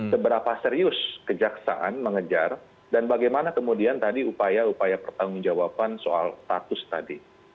seberapa serius kejaksaan mengejar dan bagaimana kemudian tadi upaya upaya pertanggung jawaban soal status tadi